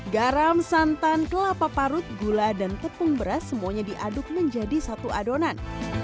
garam santan kelapa parut gula dan tepung beras semuanya diaduk menjadi satu adonan